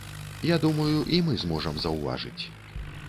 Я думаю, і мы зможам заўважыць.